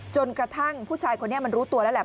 จนกระทั่งผู้ชายคนนี้มันรู้ตัวแล้วแหละ